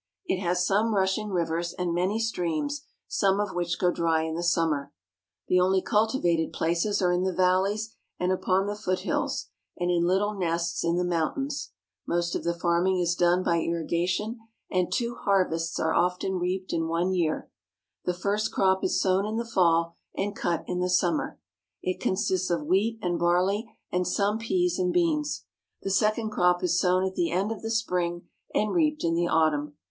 It has some rushing rivers and many streams, some of which go dry in the summer. The only cultivated places are in the valleys and upon the foothills, and in Uttle nests in the mountains. Most of the farming is 320 AFGHANISTAN done by irrigation, and two harvests are often reaped in one year. The first crop is sown in the fall, and cut in the summer. It consists of wheat, and barley, and some peas and beans. The second crop is sown at the end of the spring and reaped in the autumn.